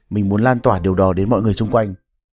mình muốn lan tỏa điều đó đến mọi người xung quanh